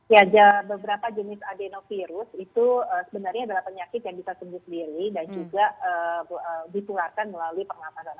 ya beberapa jenis adenovirus itu sebenarnya adalah penyakit yang bisa sembuh sendiri dan juga ditularkan melalui pernafasan